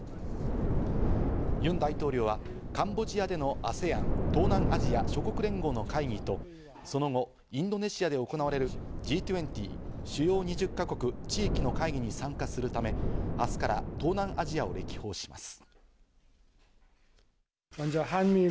ユン大統領はカンボジアでのＡＳＥＡＮ＝東南アジア諸国連合の会議と、その後、インドネシアで行われる、Ｇ２０＝主要２０か国・地域の会議に参加するため、明日から東南アジアを歴訪します。